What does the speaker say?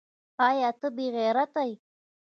ایا ته بې غیرته یې ؟